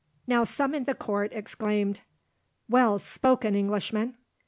Now some in the court exclaimed: "Well spoken, Englishman!"